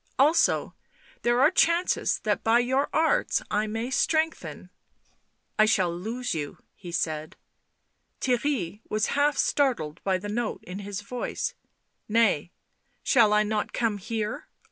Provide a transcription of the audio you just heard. "Also there are chances that by your arts I may strengthen "" I shall lose you," he said. Theirry was half startled by the note in his voice. " Nay ... shall I not come here ...